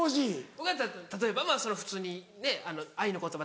僕だったら例えば普通にね愛の言葉